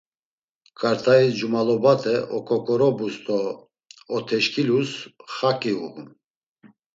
Ǩart̆ais, cumalobate oǩoǩorobus do oteşǩilus xaǩi uğun.